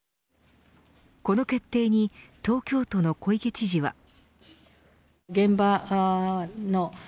この決定に東京都の小池知事は。